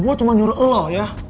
gua cuma nyuruh elu yah